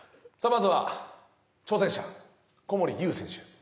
まずは挑戦者小森勇選手